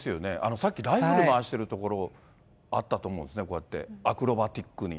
さっきライフル回しているところあったと思うんですね、こうやって、アクロバティックに。